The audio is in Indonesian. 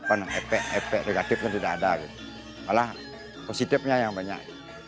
epek epek negatif kan tidak ada malah positifnya yang banyak